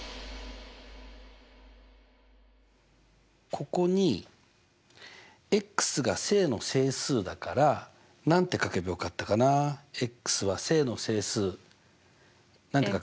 ここにが正の整数だから何て書けばよかったかな？は正の整数何て書く？